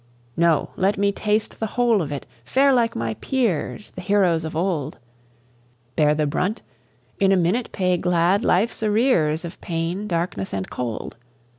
No! let me taste the whole of it, fare like my peers The heroes of old, Bear the brunt, in a minute pay glad life's arrears Of pain, darkness, and cold.